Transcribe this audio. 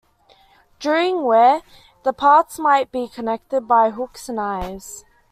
During wear, the parts might be connected by hooks and eyes.